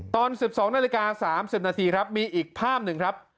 ตอน๑๒นาฬิกา๓๐นาทีครับมีอีกภาพหนึ่งครับ